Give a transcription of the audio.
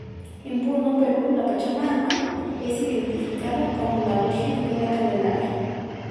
En Puno, Perú, la Pachamama es identificada con la Virgen de la Candelaria.